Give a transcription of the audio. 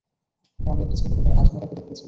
আর আমি একটা ছেলেকে প্রায় আধমরা করে ফেলছিলাম।